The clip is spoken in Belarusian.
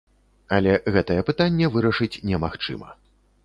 Але гэтае пытанне вырашыць немагчыма.